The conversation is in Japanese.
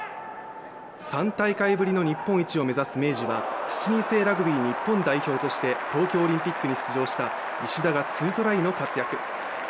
３大会ぶりの日本一を目指す明治は７人制ラグビー日本代表として東京オリンピックに出場した石田がツートライの活躍。